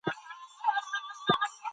ښه ژوند د پاک چاپیریال پایله ده.